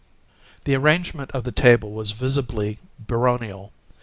The arrangement of the table was visibly baronial.